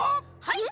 はい？